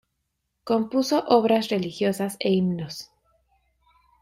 Compuso obras religiosas e himnos.